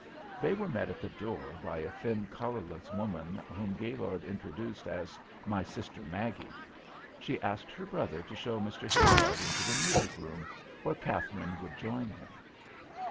They were met at the door by a thin, colourless woman, whom Gaylord introduced as "My sister, Maggie." She asked her brother to show Mr. Hilgarde into the music room, where Katharine would join him.